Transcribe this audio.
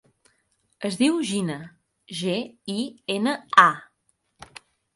Es diu Gina: ge, i, ena, a.